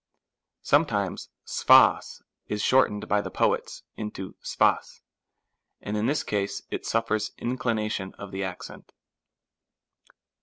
Sometimes ccpd:; is shortened by the poets into acfuQ^ and in this case it suffers inclination of the accent.